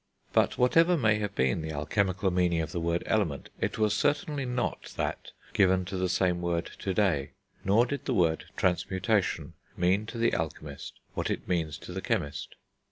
But whatever may have been the alchemical meaning of the word element, it was certainly not that given to the same word to day. Nor did the word transmutation mean to the alchemist what it means to the chemist.